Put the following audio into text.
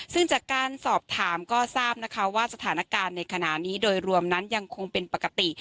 ซึ่งจากการสอบถามก็ทราบนะคะว่าสถานการณ์ในขณะนี้โดยรวมนั้นยังคงเป็นปกติ